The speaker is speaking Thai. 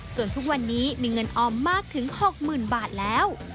ทุกวันนี้มีเงินออมมากถึง๖๐๐๐บาทแล้ว